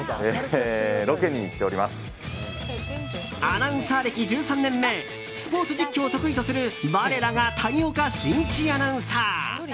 アナウンサー歴１３年目スポーツ実況を得意とする我らが谷岡慎一アナウンサー。